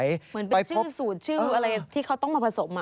เหมือนเป็นชื่อสูตรชื่ออะไรที่เขาต้องมาผสม